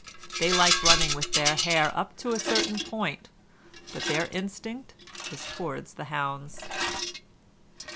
They liked running with the hare up to a certain point, but their instinct was towards the hounds.